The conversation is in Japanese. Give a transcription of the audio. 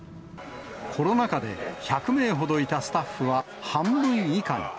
コロナ禍で、１００名ほどいたスタッフは半分以下に。